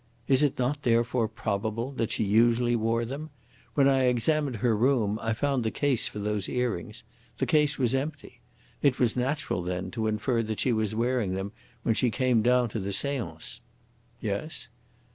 Is it not, therefore, probable that she usually wore them? When I examined her room I found the case for those earrings the case was empty. It was natural, then, to infer that she was wearing them when she came down to the seance." "Yes."